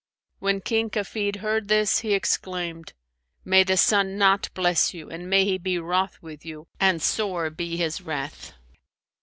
When King Kafid heard this, he exclaimed, 'May the sun not bless you and may he be wroth with you and sore be his wrath!'